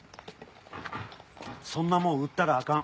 そんなもん売ったらあかん。